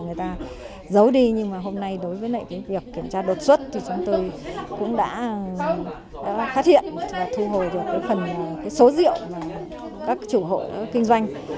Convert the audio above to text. người ta giấu đi nhưng mà hôm nay đối với lại cái việc kiểm tra đột xuất thì chúng tôi cũng đã phát hiện và thu hồi được cái phần cái số rượu mà các chủ hộ kinh doanh